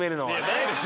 ないです。